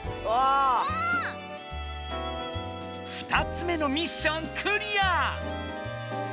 ２つ目のミッションクリア！